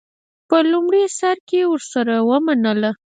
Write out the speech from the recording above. په لومړي سر کې ورسره ومنله.